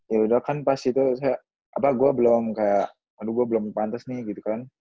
yaudah kan pas itu saya apa gue belum kayak aduh gue belum pantes nih gitu